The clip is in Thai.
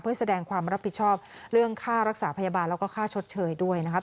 เพื่อแสดงความรับผิดชอบเรื่องค่ารักษาพยาบาลแล้วก็ค่าชดเชยด้วยนะครับ